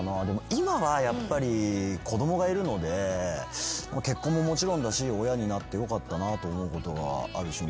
今はやっぱり子供がいるので結婚ももちろんだし親になってよかったと思うことがある瞬間いっぱいありますね。